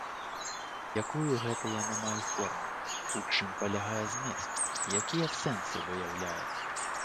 Якую гэтае яно мае форму, у чым палягае змест, якія сэнсы выяўляе?